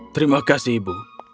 terima kasih ibu